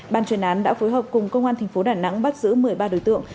ban chuyển án đã phối hợp cùng công an tp đà nẵng bắt giữ một mươi ba đối tượng